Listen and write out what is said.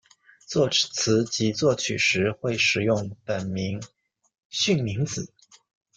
作词及作曲时会使用本名巽明子。